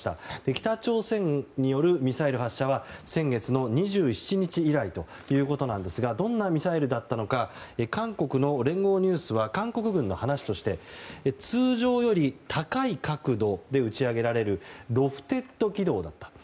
北朝鮮によるミサイル発射は先月２７日以来ですがどんなミサイルだったのか韓国の聯合ニュースは韓国軍の話として通常より高い角度で打ち上げられるロフテッド軌道だったと。